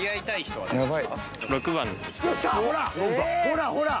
ほらほら。